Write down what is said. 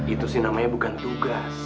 itu sih namanya bukan tugas